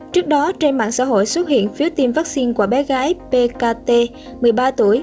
trước đó trên mạng xã hội xuất hiện phiếu tiêm vaccine của bé gái pkt một mươi ba tuổi